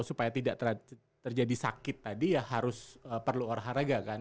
supaya tidak terjadi sakit tadi ya harus perlu olahraga kan